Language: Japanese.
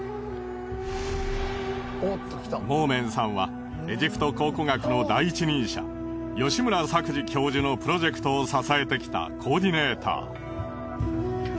モーメンさんはエジプト考古学の第一人者吉村作治教授のプロジェクトを支えてきたコーディネーター。